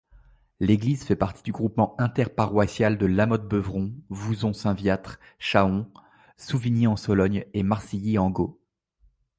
L'église fait partie du groupement inter-paroissiale de Lamotte-Beuvron, Vouzon, Saint-Viâtre, Chaon, Souvigny-en-Sologne et Marcilly-en-Gault.